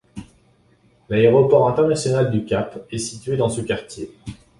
L'aéroport international du Cap est situé dans ce quartier.